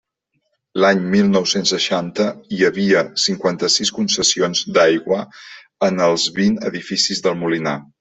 L'any mil nou-cents seixanta hi havia cinquanta-sis concessions d'aigua en els vint edificis del Molinar.